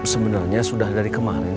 sebenarnya sudah dari kemarin